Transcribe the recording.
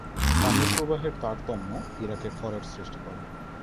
পানির প্রবাহের তারতম্য ইরাকে খরার সৃষ্টি করে।